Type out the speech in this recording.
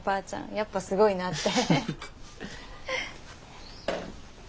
やっぱすごいなって。